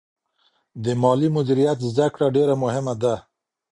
د مالي مدیریت زده کړه ډېره مهمه ده.